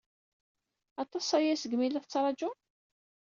Aṭas aya segmi i la tettṛajum?